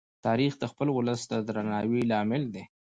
تاریخ د خپل ولس د درناوي لامل دی.